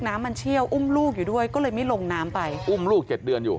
น้ำมันเชี่ยวอุ้มลูกอยู่ด้วยก็เลยไม่ลงน้ำไปอุ้มลูกเจ็ดเดือนอยู่